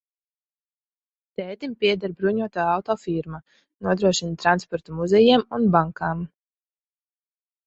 Tētim pieder bruņoto auto firma, nodrošina transportu muzejiem un bankām.